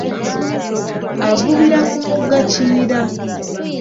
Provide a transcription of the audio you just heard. Avubira ku mugga Kiyira.